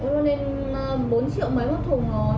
nó lên bốn triệu mấy một thùng rồi